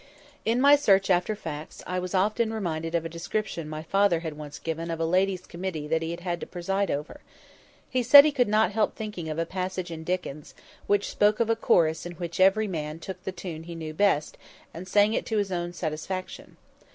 In my search after facts, I was often reminded of a description my father had once given of a ladies' committee that he had had to preside over. He said he could not help thinking of a passage in Dickens, which spoke of a chorus in which every man took the tune he knew best, and sang it to his own satisfaction.